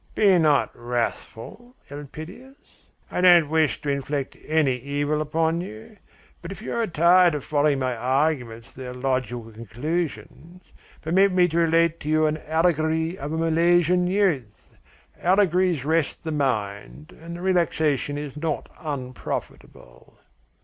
"Be not wrathful, Elpidias! I don't wish to inflict any evil upon you. But if you are tired of following my arguments to their logical conclusions, permit me to relate to you an allegory of a Milesian youth. Allegories rest the mind, and the relaxation is not unprofitable."